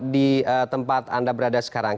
di tempat anda berada sekarang